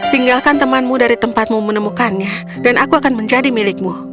tinggalkan temanmu dari tempatmu menemukannya dan aku akan menjadi milikmu